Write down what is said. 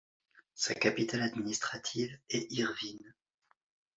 Sa capitale administrative est Irvine.